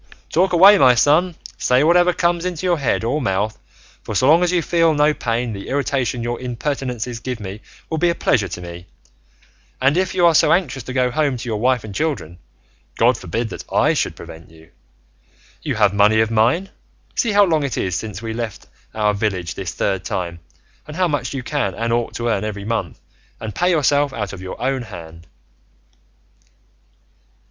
Talk away, my son, say whatever comes into your head or mouth, for so long as you feel no pain, the irritation your impertinences give me will be a pleasure to me; and if you are so anxious to go home to your wife and children, God forbid that I should prevent you; you have money of mine; see how long it is since we left our village this third time, and how much you can and ought to earn every month, and pay yourself out of your own hand."